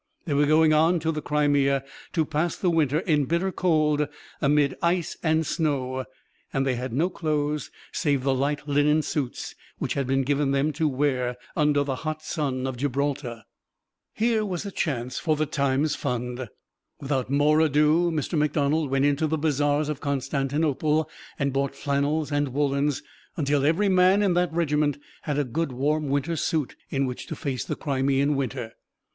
They were going on to the Crimea, to pass the winter in bitter cold, amid ice and snow; and they had no clothes save the light linen suits which had been given them to wear under the hot sun of Gibraltar. Here was a chance for the Times fund! Without more ado Mr. McDonald went into the bazaars of Constantinople and bought flannels and woolens, until every man in that regiment had a good warm winter suit in which to face the Crimean winter.